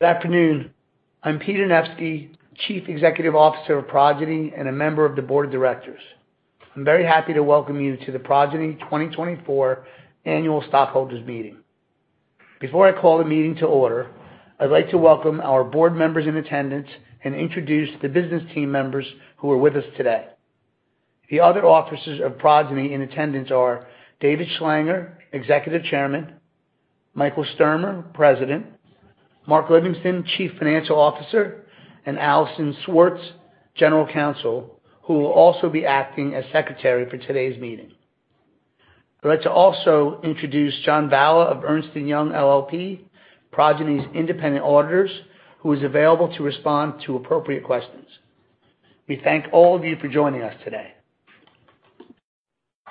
Good afternoon. I'm Peter Anevski, Chief Executive Officer of Progyny, and a member of the Board of Directors. I'm very happy to welcome you to the Progyny 2024 Annual Stockholders Meeting. Before I call the meeting to order, I'd like to welcome our board members in attendance and introduce the business team members who are with us today. The other officers of Progyny in attendance are: David Schlanger, Executive Chairman; Michael Sturmer, President; Mark Livingston, Chief Financial Officer; and Allison Swartz, General Counsel, who will also be acting as Secretary for today's meeting. I'd like to also introduce John Vella of Ernst & Young LLP, Progyny's independent auditors, who is available to respond to appropriate questions. We thank all of you for joining us today.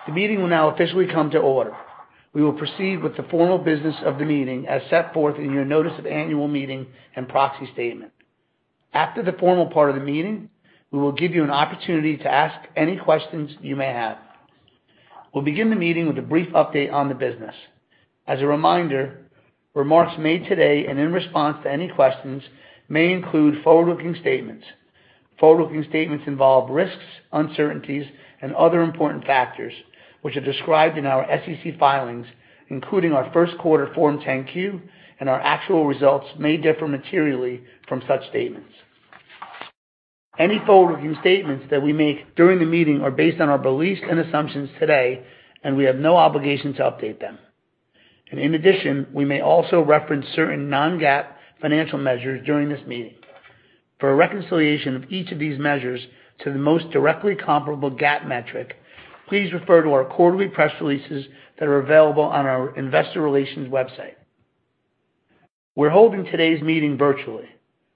The meeting will now officially come to order. We will proceed with the formal business of the meeting as set forth in your notice of annual meeting and proxy statement. After the formal part of the meeting, we will give you an opportunity to ask any questions you may have. We'll begin the meeting with a brief update on the business. As a reminder, remarks made today and in response to any questions may include forward-looking statements. Forward-looking statements involve risks, uncertainties, and other important factors which are described in our SEC filings, including our first quarter Form 10-Q, and our actual results may differ materially from such statements. Any forward-looking statements that we make during the meeting are based on our beliefs and assumptions today, and we have no obligation to update them. In addition, we may also reference certain non-GAAP financial measures during this meeting. For a reconciliation of each of these measures to the most directly comparable GAAP metric, please refer to our quarterly press releases that are available on our investor relations website. We're holding today's meeting virtually.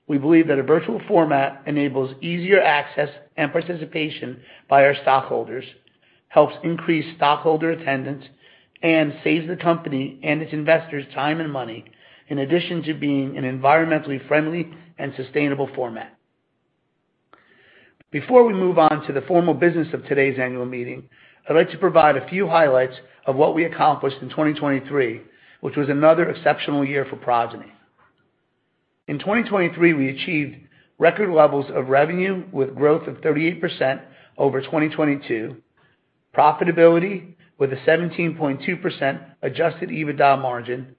We believe that a virtual format enables easier access and participation by our stockholders, helps increase stockholder attendance, and saves the company and its investors time and money, in addition to being an environmentally friendly and sustainable format. Before we move on to the formal business of today's annual meeting, I'd like to provide a few highlights of what we accomplished in 2023, which was another exceptional year for Progyny. In 2023, we achieved record levels of revenue with growth of 38% over 2022, profitability with a 17.2% adjusted EBITDA margin,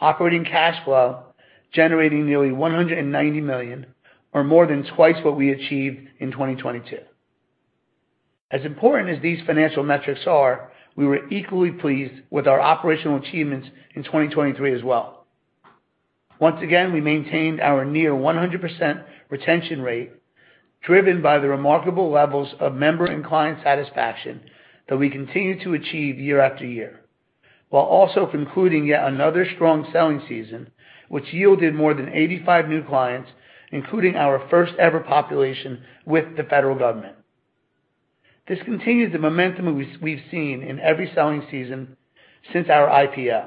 operating cash flow, generating nearly $190 million or more than twice what we achieved in 2022. As important as these financial metrics are, we were equally pleased with our operational achievements in 2023 as well. Once again, we maintained our near 100% retention rate, driven by the remarkable levels of member and client satisfaction that we continue to achieve year after year, while also concluding yet another strong selling season, which yielded more than 85 new clients, including our first ever population with the federal government. This continues the momentum we've seen in every selling season since our IPO.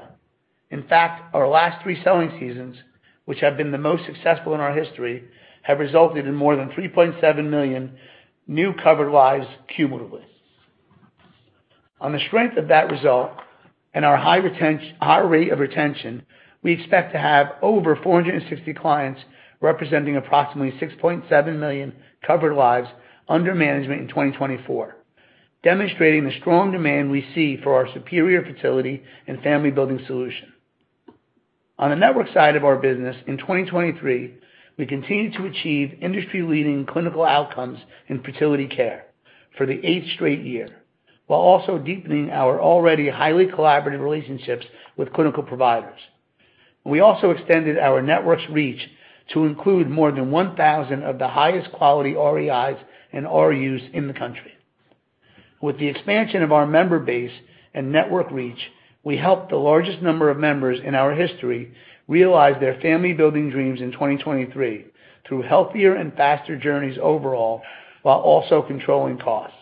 In fact, our last three selling seasons, which have been the most successful in our history, have resulted in more than 3.7 million new covered lives cumulatively. On the strength of that result and our high rate of retention, we expect to have over 460 clients, representing approximately 6.7 million covered lives under management in 2024, demonstrating the strong demand we see for our superior fertility and family-building solution. On the network side of our business, in 2023, we continued to achieve industry-leading clinical outcomes in fertility care for the 8th straight year, while also deepening our already highly collaborative relationships with clinical providers. We also extended our network's reach to include more than 1,000 of the highest quality REIs and RUs in the country. With the expansion of our member base and network reach, we helped the largest number of members in our history realize their family-building dreams in 2023 through healthier and faster journeys overall, while also controlling costs.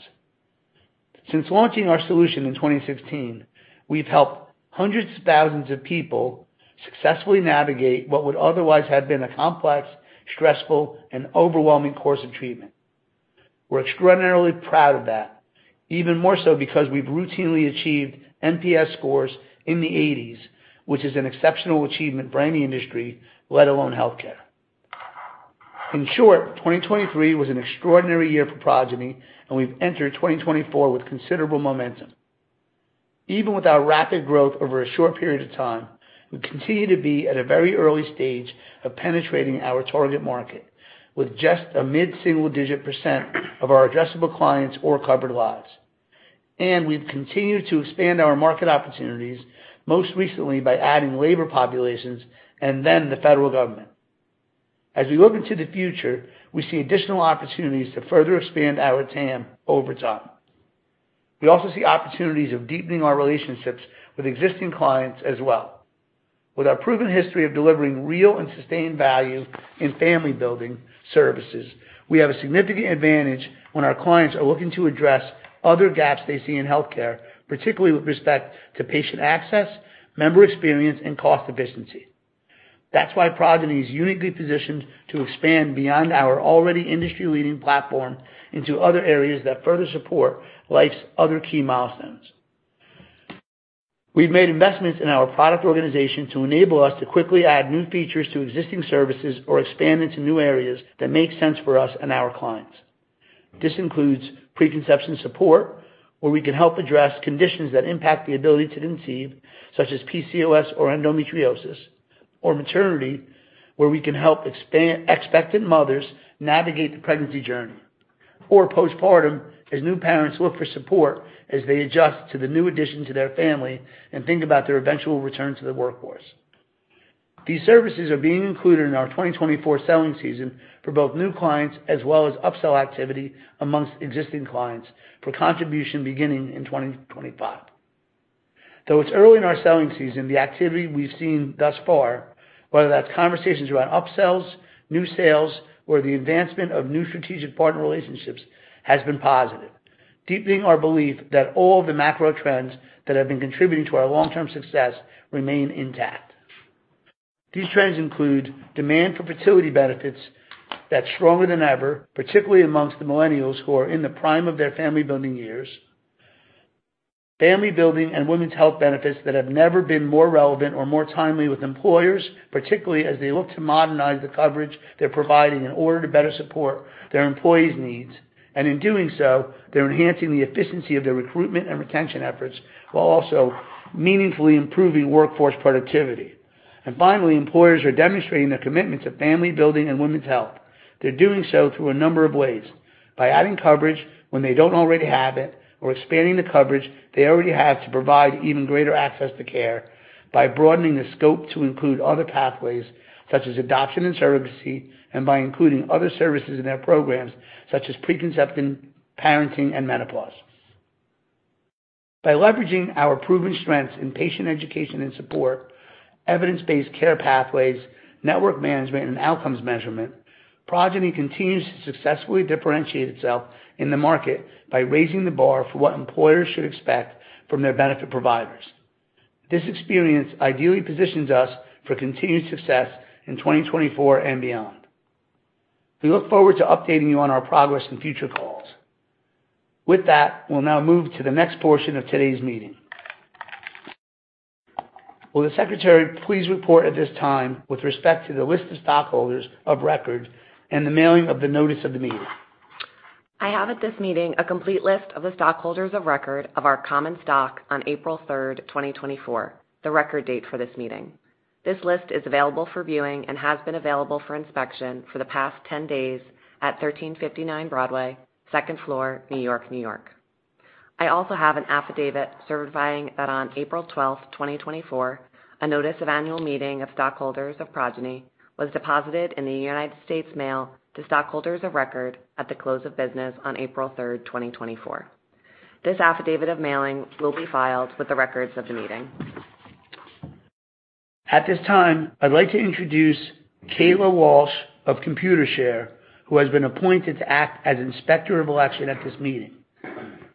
Since launching our solution in 2016, we've helped hundreds of thousands of people successfully navigate what would otherwise have been a complex, stressful, and overwhelming course of treatment. We're extraordinarily proud of that, even more so because we've routinely achieved NPS scores in the 80s, which is an exceptional achievement for any industry, let alone healthcare. In short, 2023 was an extraordinary year for Progyny, and we've entered 2024 with considerable momentum. Even with our rapid growth over a short period of time, we continue to be at a very early stage of penetrating our target market, with just a mid-single-digit % of our addressable clients or covered lives. We've continued to expand our market opportunities, most recently by adding labor populations and then the federal government. As we look into the future, we see additional opportunities to further expand our TAM over time. We also see opportunities of deepening our relationships with existing clients as well. With our proven history of delivering real and sustained value in family-building services, we have a significant advantage when our clients are looking to address other gaps they see in healthcare, particularly with respect to patient access, member experience, and cost efficiency. That's why Progyny is uniquely positioned to expand beyond our already industry-leading platform into other areas that further support life's other key milestones ... We've made investments in our product organization to enable us to quickly add new features to existing services or expand into new areas that make sense for us and our clients. This includes preconception support, where we can help address conditions that impact the ability to conceive, such as PCOS or endometriosis, or maternity, where we can help expectant mothers navigate the pregnancy journey, or postpartum, as new parents look for support as they adjust to the new addition to their family and think about their eventual return to the workforce. These services are being included in our 2024 selling season for both new clients as well as upsell activity among existing clients for contribution beginning in 2025. Though it's early in our selling season, the activity we've seen thus far, whether that's conversations around upsells, new sales, or the advancement of new strategic partner relationships, has been positive, deepening our belief that all the macro trends that have been contributing to our long-term success remain intact. These trends include demand for fertility benefits that's stronger than ever, particularly among the millennials who are in the prime of their family building years. Family building and women's health benefits that have never been more relevant or more timely with employers, particularly as they look to modernize the coverage they're providing in order to better support their employees' needs. In doing so, they're enhancing the efficiency of their recruitment and retention efforts, while also meaningfully improving workforce productivity. Finally, employers are demonstrating their commitment to family building and women's health. They're doing so through a number of ways, by adding coverage when they don't already have it, or expanding the coverage they already have to provide even greater access to care, by broadening the scope to include other pathways, such as adoption and surrogacy, and by including other services in their programs, such as preconception, parenting, and menopause. By leveraging our proven strengths in patient education and support, evidence-based care pathways, network management, and outcomes measurement, Progyny continues to successfully differentiate itself in the market by raising the bar for what employers should expect from their benefit providers. This experience ideally positions us for continued success in 2024 and beyond. We look forward to updating you on our progress in future calls. With that, we'll now move to the next portion of today's meeting. Will the secretary please report at this time with respect to the list of stockholders of record and the mailing of the notice of the meeting? I have at this meeting a complete list of the stockholders of record of our common stock on April 3, 2024, the record date for this meeting. This list is available for viewing and has been available for inspection for the past 10 days at 1359 Broadway, Second Floor, New York, New York. I also have an affidavit certifying that on April 12, 2024, a notice of annual meeting of stockholders of Progyny was deposited in the United States Mail to stockholders of record at the close of business on April 3, 2024. This affidavit of mailing will be filed with the records of the meeting. At this time, I'd like to introduce Kayla Walsh of Computershare, who has been appointed to act as Inspector of Election at this meeting.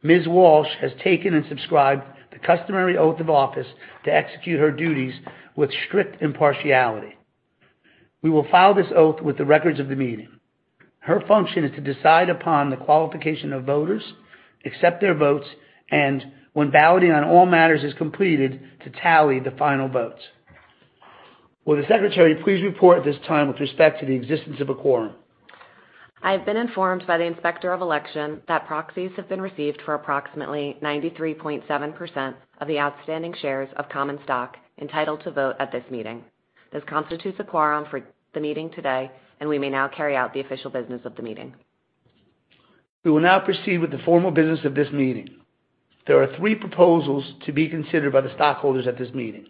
Ms. Walsh has taken and subscribed the customary oath of office to execute her duties with strict impartiality. We will file this oath with the records of the meeting. Her function is to decide upon the qualification of voters, accept their votes, and when balloting on all matters is completed, to tally the final votes. Will the secretary please report at this time with respect to the existence of a quorum? I have been informed by the Inspector of Election that proxies have been received for approximately 93.7% of the outstanding shares of common stock entitled to vote at this meeting. This constitutes a quorum for the meeting today, and we may now carry out the official business of the meeting. We will now proceed with the formal business of this meeting. There are three proposals to be considered by the stockholders at this meeting.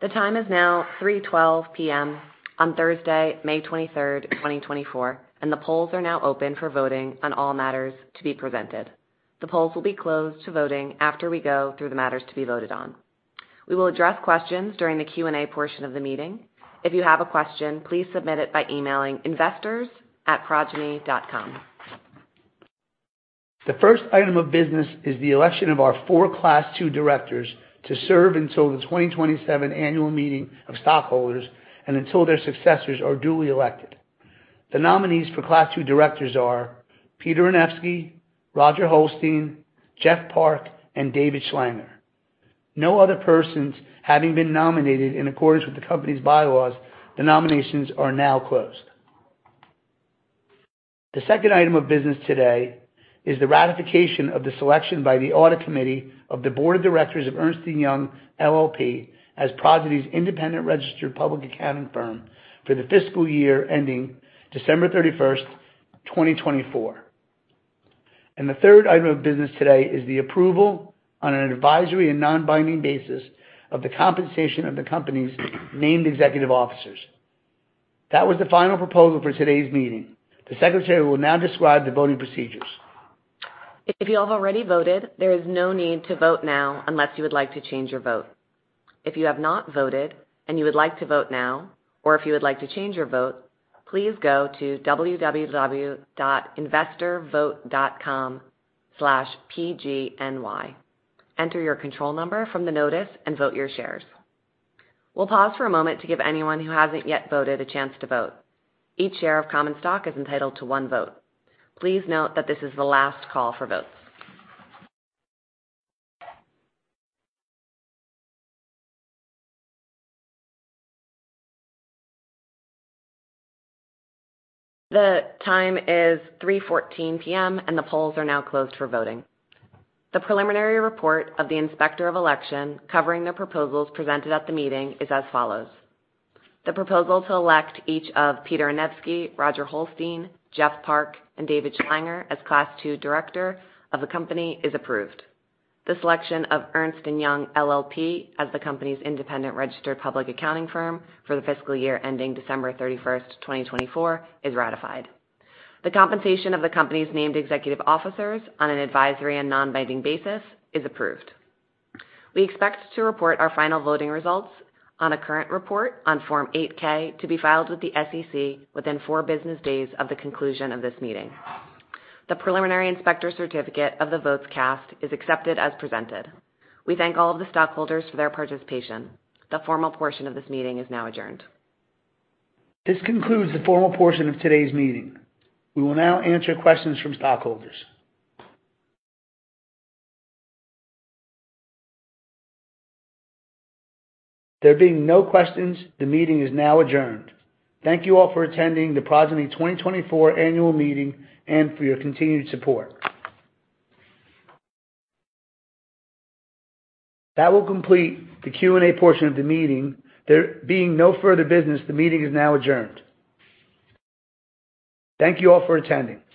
The time is now 3:12 P.M. on Thursday, May 23rd, 2024, and the polls are now open for voting on all matters to be presented. The polls will be closed to voting after we go through the matters to be voted on. We will address questions during the Q&A portion of the meeting. If you have a question, please submit it by emailing investors@progyny.com. The first item of business is the election of our four Class II directors to serve until the 2027 Annual Meeting of Stockholders and until their successors are duly elected. The nominees for Class II directors are Peter Anevski, Roger Holstein, Jeff Park, and David Schlanger. No other persons having been nominated in accordance with the company's bylaws, the nominations are now closed. The second item of business today is the ratification of the selection by the Audit Committee of the board of directors of Ernst & Young LLP as Progyny's Independent Registered Public Accounting Firm for the fiscal year ending December 31, 2024. The third item of business today is the approval on an advisory and non-binding basis of the compensation of the company's named executive officers. That was the final proposal for today's meeting. The secretary will now describe the voting procedures. If you have already voted, there is no need to vote now unless you would like to change your vote. If you have not voted and you would like to vote now, or if you would like to change your vote, please go to www.investorvote.com/pgny. Enter your control number from the notice and vote your shares. We'll pause for a moment to give anyone who hasn't yet voted a chance to vote. Each share of common stock is entitled to one vote. Please note that this is the last call for votes. The time is 3:14 P.M., and the polls are now closed for voting. The preliminary report of the Inspector of Election covering the proposals presented at the meeting is as follows: The proposal to elect each of Peter Anevski, Roger Holstein, Jeff Park, and David Schlanger as Class II director of the company is approved. The selection of Ernst & Young LLP as the company's independent registered public accounting firm for the fiscal year ending December 31, 2024, is ratified. The compensation of the company's named executive officers on an advisory and non-binding basis is approved. We expect to report our final voting results on a current report on Form 8-K, to be filed with the SEC within 4 business days of the conclusion of this meeting. The preliminary inspector certificate of the votes cast is accepted as presented. We thank all of the stockholders for their participation. The formal portion of this meeting is now adjourned. This concludes the formal portion of today's meeting. We will now answer questions from stockholders. There being no questions, the meeting is now adjourned. Thank you all for attending the Progyny 2024 Annual Meeting and for your continued support. That will complete the Q&A portion of the meeting. There being no further business, the meeting is now adjourned. Thank you all for attending.